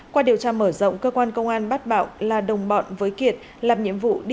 qua điều tra mở rộng cơ quan công an bắt bạo là đồng bọn với kiệt làm nhiệm vụ đi trước xe ô tô